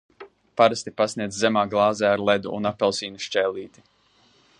Parasti pasniedz zemā glāzē ar ledu un apelsīna šķēlīti.